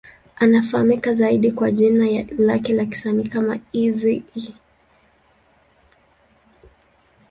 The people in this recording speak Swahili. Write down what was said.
Anafahamika zaidi kwa jina lake la kisanii kama Eazy-E.